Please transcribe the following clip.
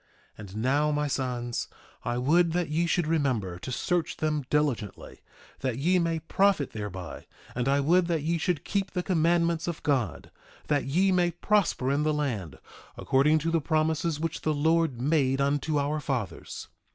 1:7 And now, my sons, I would that ye should remember to search them diligently, that ye may profit thereby; and I would that ye should keep the commandments of God, that ye may prosper in the land according to the promises which the Lord made unto our fathers.